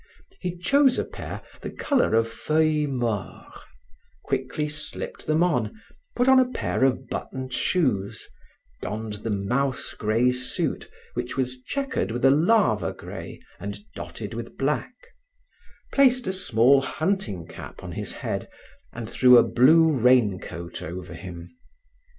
He chose a pair the color of feuillemort, quickly slipped them on, put on a pair of buttoned shoes, donned the mouse grey suit which was checquered with a lava gray and dotted with black, placed a small hunting cap on his head and threw a blue raincoat over him.